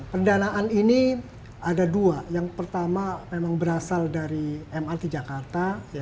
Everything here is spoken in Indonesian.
pendanaan ini ada dua yang pertama memang berasal dari mrt jakarta